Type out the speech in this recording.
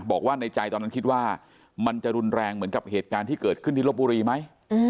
บอกว่าในใจตอนนั้นคิดว่ามันจะรุนแรงเหมือนกับเหตุการณ์ที่เกิดขึ้นที่ลบบุรีไหม